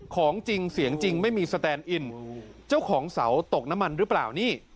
ของจริงเสียงจริงไม่มีสแตนอินเจ้าของเสาตกน้ำมันหรือเปล่านี่